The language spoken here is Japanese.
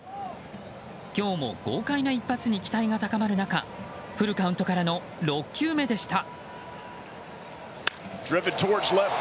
今日も豪快な一発に期待が高まる中フルカウントからの６球目でした。